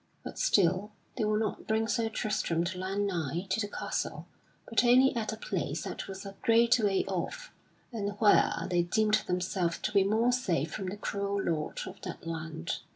But still they would not bring Sir Tristram to land nigh to the castle, but only at a place that was a great way off, and where they deemed themselves to be more safe from the cruel lord of that land.